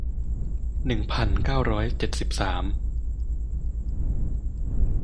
หนึ่งพันเก้าร้อยเจ็ดสิบสาม